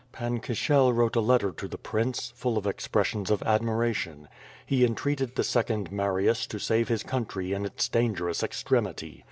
Pan Kishel wrote a letter to the prince, full of expressions of admiration; he entreated the second Marius to save his coun try in its dangerous extremity.